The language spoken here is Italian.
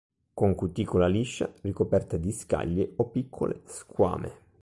Con cuticola liscia, ricoperta di scaglie o piccole squame.